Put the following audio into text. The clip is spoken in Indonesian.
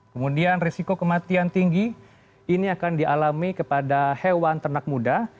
kemudian risiko kematian tinggi ini akan dialami kepada hewan ternak muda